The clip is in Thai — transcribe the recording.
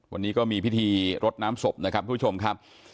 วันนี้ก็มีพิธีรดน้ำศพนะครับทุกผู้ชมครับ